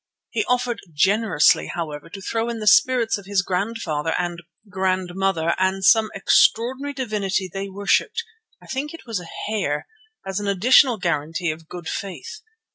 He offered generously, however, to throw in the spirits of his grandfather and grandmother and some extraordinary divinity they worshipped, I think it was a hare, as an additional guarantee of good faith.